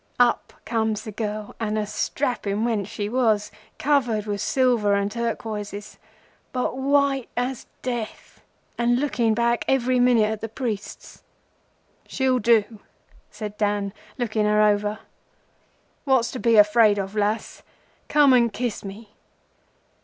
Up comes the girl, and a strapping wench she was, covered with silver and turquoises but white as death, and looking back every minute at the priests. "'She'll do,' said Dan, looking her over. 'What's to be afraid of, lass? Come and kiss me.